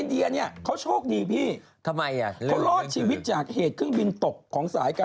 นี่เอกที่เป็นพุจการนอนนะอ่ะฮ่า